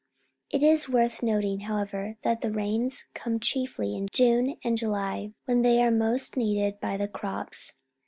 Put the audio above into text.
It is worth noting, however, that the rains come chiefly in June and July, when they are most needed by the crops.